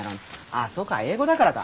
ああそうか英語だからか。